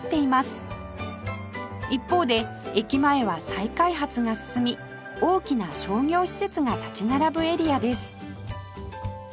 一方で駅前は再開発が進み大きな商業施設が立ち並ぶエリアです